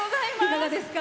いかがですか？